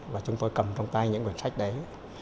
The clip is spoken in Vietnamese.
và chúng tôi cầm trong tay những cuốn sách đấy